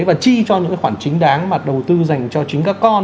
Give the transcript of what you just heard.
và chi cho những cái khoản chính đáng mà đầu tư dành cho chính các con